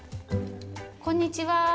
こんにちは。